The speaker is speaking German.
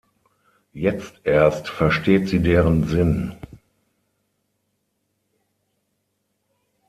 Jetzt erst versteht sie deren Sinn.